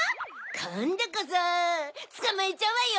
こんどこそつかまえちゃうわよ！